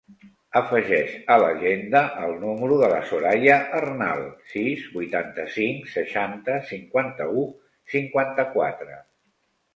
Afegeix a l'agenda el número de la Soraya Arnal: sis, vuitanta-cinc, seixanta, cinquanta-u, cinquanta-quatre.